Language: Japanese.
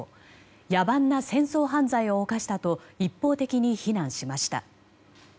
野蛮な戦争犯罪を犯したと一方的に非難しました。